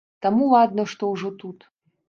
Таму ладна, што ўжо тут!